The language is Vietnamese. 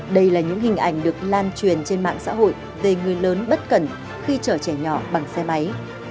đây là những hình ảnh được lan truyền trên mạng xã hội về người lớn bất cẩn khi chở trẻ nhỏ bằng xe máy